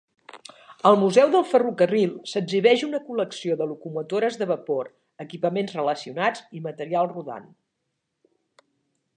Al museu del ferrocarril s'exhibeix una col·lecció de locomotores de vapor, equipaments relacionats i material rodant.